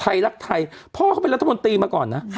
รักไทยพ่อเขาเป็นรัฐมนตรีมาก่อนนะ